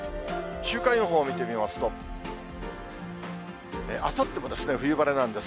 週間予報を見てみますと、あさっても冬晴れなんです。